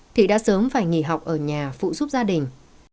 thì đã sớm phải nghỉ học ở nhà phụ giúp gia đình